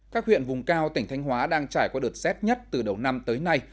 các huyện vùng cao tỉnh thanh hóa đang trải qua đợt xét nhất từ đầu năm tới nay